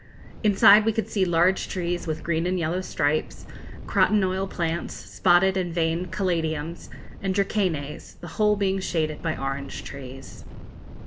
Inside we could see large trees with green and yellow stripes, croton oil plants, spotted and veined caladiums, and dracænas, the whole being shaded by orange trees.